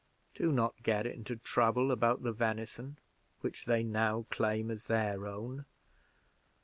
Do not get into trouble about the venison, which they now claim as their own.